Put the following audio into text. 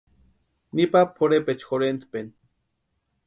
Nipa pʼorhepecha jorhentpeni.